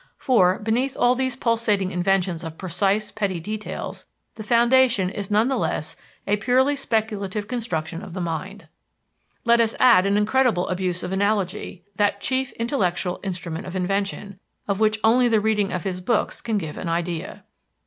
For, beneath all these pulsating inventions of precise, petty details, the foundation is none the less a purely speculative construction of the mind. Let us add an incredible abuse of analogy, that chief intellectual instrument of invention, of which only the reading of his books can give an idea.